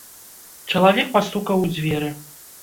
Чалавек пастукаў у дзверы.